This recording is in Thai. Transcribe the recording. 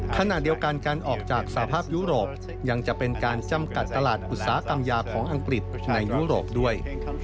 ขณะเดียวกันการออกจากสภาพยุโรปยังจะเป็นการจำกัดตลาดอุตสาหกรรมยาของอังกฤษในยุโรปด้วย